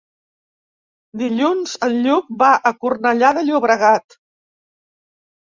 Dilluns en Lluc va a Cornellà de Llobregat.